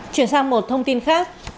chuyển sang một thông tin khác